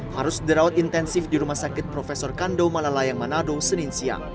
harus dirawat intensif di rumah sakit prof kando malalayang manado senin siang